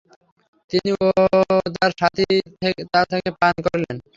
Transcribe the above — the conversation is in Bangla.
তিনি ও তার সাথী তা থেকে পান করলেন।